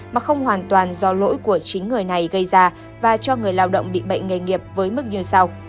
mà không hoàn toàn do lỗi của chính người này gây ra và cho người lao động bị bệnh nghề nghiệp với mức như sau